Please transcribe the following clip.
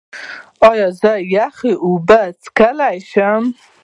ایا زه یخې اوبه څښلی شم؟